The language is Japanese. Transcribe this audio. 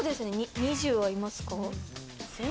２０はいますか？